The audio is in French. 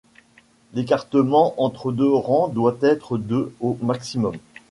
L'écartement entre deux rangs doit être de au maximum.